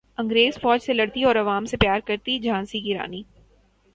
انگریز فوج سے لڑتی اور عوام سے پیار کرتی جھانسی کی رانی